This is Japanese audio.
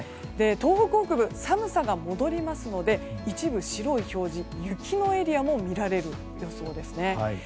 東北北部、寒さが戻りますので一部、白い表示雪のエリアも見られる予想です。